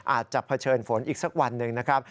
อาจจะเผชิญฝนอีกสักวันหนึ่งนะครับ